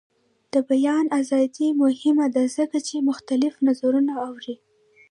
د بیان ازادي مهمه ده ځکه چې مختلف نظرونه اوري.